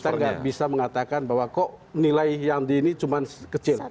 kita nggak bisa mengatakan bahwa kok nilai yang di ini cuma kecil